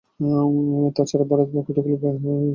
তাছাড়া ভারত হতে কতকগুলি বই ও চিঠি আসবার কথা।